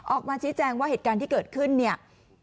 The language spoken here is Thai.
ออกมาชี้แจงว่าเหตุการณ์ที่เกิดขึ้นเนี่ย